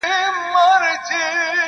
نه خاطر گوري د وروڼو نه خپلوانو-